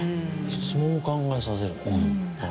質問を考えさせるのか。